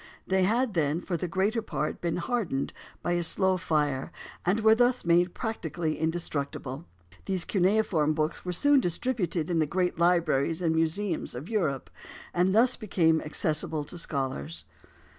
They had then, for the greater part, been hardened by a slow fire, and were thus made practically indestructible. These cuneiform books were soon distributed in the great libraries and museums of Europe, and thus became accessible to scholars.